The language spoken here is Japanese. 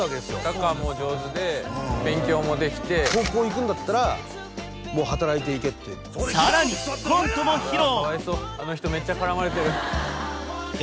サッカーも上手で勉強もできて高校行くんだったら働いて行けってさらにコントも披露！